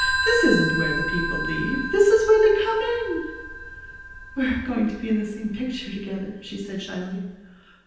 "This isn't where the people leave. This is where they come in!" "We're going to be in the same picture together," she said shyly.